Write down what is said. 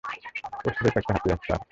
ও স্রেফ একটা হাতিয়ার, স্যার।